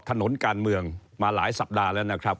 ถนนการเมืองมาหลายสัปดาห์แล้วนะครับ